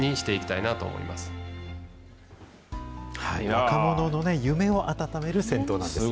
若者の夢を温める銭湯なんです。